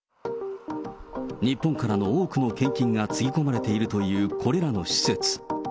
日本からの多くの献金がつぎ込まれているというこれらの施設。